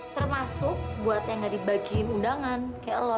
termasuk buat yang gak dibagiin undangan kayak lu